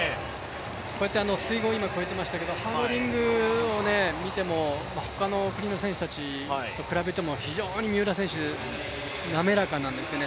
こうやって水濠、今越えていますけれども、ハードリング、他の国の選手たちと比べても、非常に三浦選手、滑かなんですよね。